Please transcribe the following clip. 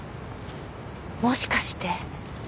もしかして。